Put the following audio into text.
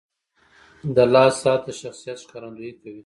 • د لاس ساعت د شخصیت ښکارندویي کوي.